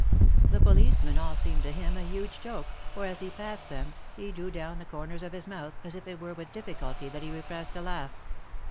The policemen all seemed to him a huge joke, for as he passed them, he drew down the corners of his mouth, as if it were with difficulty that he repressed a laugh.